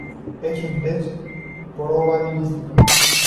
Es un test probabilístico.